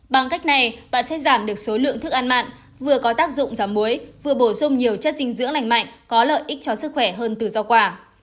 bằng cách này bạn sẽ giảm được số lượng thức ăn mặn vừa có tác dụng giảm muối vừa bổ sung nhiều chất dinh dưỡng lành mạnh có lợi ích cho sức khỏe hơn từ rau quả